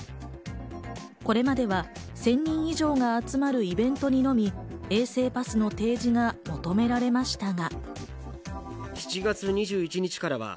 これまでは１０００人以上が集まるイベントにのみ衛生パスの提示が求められましたが。